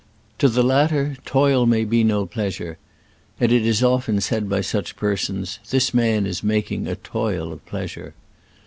To the latter toil may be no pleasure, and it is often said by such persons, *' This man is making a toil of pleasure."